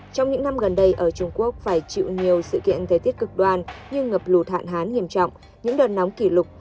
trong những năm gần đây ở trung quốc phải chịu nhiều sự kiện thời tiết cực đoan như ngập lụt hạn hán nghiêm trọng những đợt nóng kỷ lục